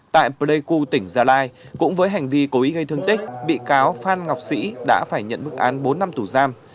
tại pleiku tỉnh gia lai cũng với hành vi cố ý gây thương tích bị cáo phan ngọc sĩ đã phải nhận bức án bốn năm tù giam